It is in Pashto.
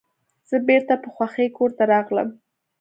زه بیرته په خوښۍ کور ته راغلم.